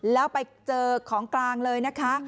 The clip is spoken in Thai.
แล้วไปเจอของกลางเลยนะคะ